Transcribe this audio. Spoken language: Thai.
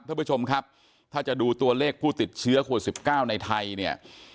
ท่านผู้ชมครับถ้าจะดูตัวเลขผู้ติดเชื้อโควิด๑๙ในไทยเนี่ย